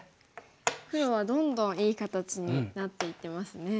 黒はどんどんいい形になっていってますね。